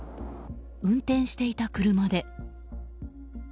運転していた車で。